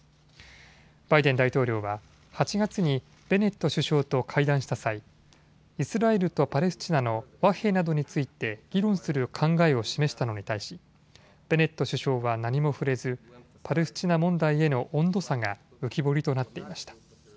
バイデン大統領は８月にベネット首相と会談した際、イスラエルとパレスチナの和平などについて議論する考えを示したのに対しベネット首相は何も触れずパレスチナ問題への温度差が浮き彫りとなっていました。